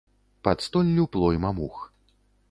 Пад столлю плойма мух.